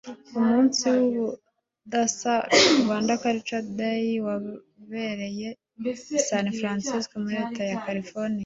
Ku munsi w’ubudasa ‘Rwanda Cultural Day’ wabereye i San Francisco muri Leta ya California